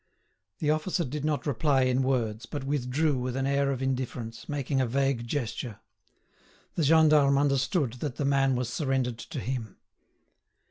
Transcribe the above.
The officer did not reply in words, but withdrew with an air of indifference, making a vague gesture. The gendarme understood that the man was surrendered to him.